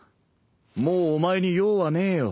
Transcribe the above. もうお前に用はねえよ。